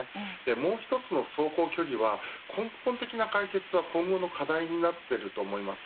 もう１つの走行距離は根本的な解決は今後の課題になっていると思います。